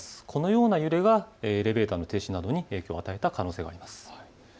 このような揺れがエレベーターの停止などに影響を与えた可能性があります。